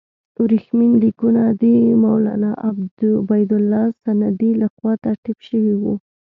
ورېښمین لیکونه د مولنا عبیدالله سندي له خوا ترتیب شوي وو.